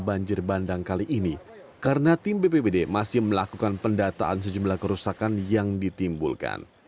banjir bandang kali ini karena tim bpbd masih melakukan pendataan sejumlah kerusakan yang ditimbulkan